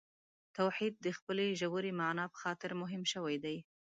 توحید د خپلې ژورې معنا په خاطر مهم شوی دی.